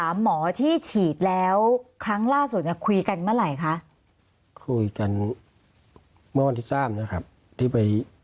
เมื่อวันที่สามนะครับที่ไป